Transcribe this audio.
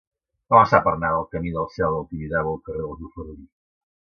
Com es fa per anar del camí del Cel del Tibidabo al carrer dels Bofarull?